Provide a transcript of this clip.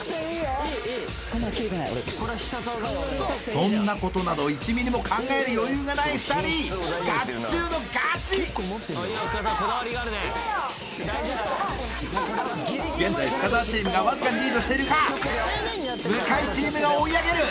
そんなことなど１ミリも考える余裕がない２人現在深澤チームがわずかにリードしているか向井チームが追い上げる！